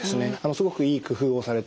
すごくいい工夫をされてる。